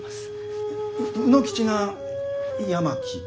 卯之吉が八巻で。